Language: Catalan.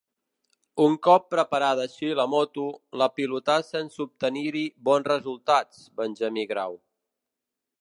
Un cop preparada així la moto, la pilotà sense obtenir-hi bons resultats Benjamí Grau.